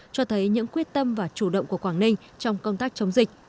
cho thấy những quyết tâm và chủ động của quảng ninh trong công tác chống dịch